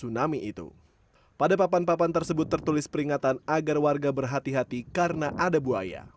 papan peringatan sudah dipasang di titik titik tertentu